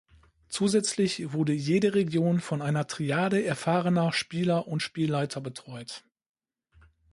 Zusätzlich wurde jede Region von einer Triade erfahrener Spieler und Spielleiter betreut.